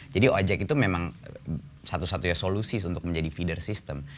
jadi gojek itu memang satu satunya solusi untuk menjadi feeder system